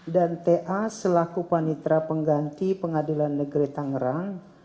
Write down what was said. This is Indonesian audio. dan ta selaku panitra pengganti pengadilan negeri tangerang